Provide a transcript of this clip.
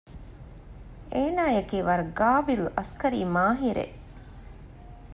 އޭނާއަކީ ވަރަށް ޤާބިލު އަސްކަރީ މާހިރެއް